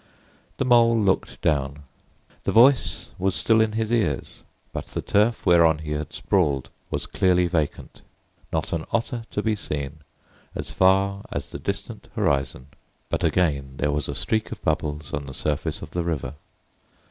The Mole looked down. The voice was still in his ears, but the turf whereon he had sprawled was clearly vacant. Not an Otter to be seen, as far as the distant horizon. But again there was a streak of bubbles on the surface of the river.